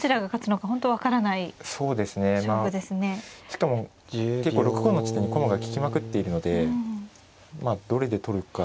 しかも結構６五の地点に駒が利きまくっているのでどれで取るか。